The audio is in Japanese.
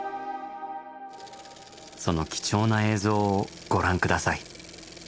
その貴重な映像をご覧下さい。